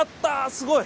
すごい。